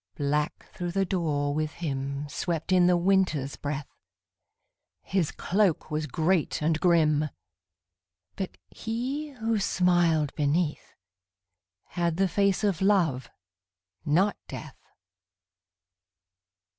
_ Black through the door with him Swept in the Winter's breath; His cloak was great and grim But he, who smiled beneath, Had the face of Love not Death.